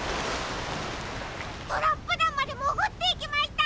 トラップだんまでもぐっていきました！